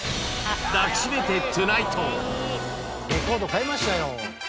レコード買いましたよ。